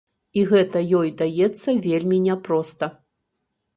І гэта ёй даецца вельмі няпроста.